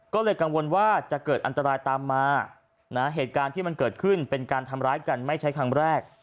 ก็เลยกังวลว่าจะเกิดอันตรายตามมานะเหตุการณ์ที่มันเกิดขึ้นเป็นการทำร้ายกันไม่ใช่ครั้งแรก